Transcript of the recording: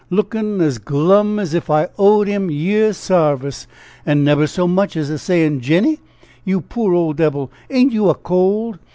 lookin' as glum as if I owed him a year's sarvice, an' nebber so much as a sayin', 'Jenny, you poor old debbil, ain't you a cold?'